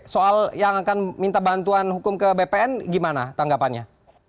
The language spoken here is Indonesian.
soal yang akan minta bantuan hukum ke bpn gimana tanggapannya